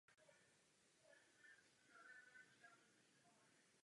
Nastoupil do druhého poločasu.